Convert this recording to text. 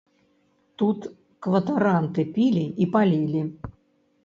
Тут кватаранты пілі і палілі.